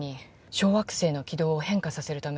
小惑星の軌道を変化させるための